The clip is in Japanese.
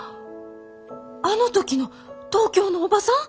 あの時の東京の叔母さん！？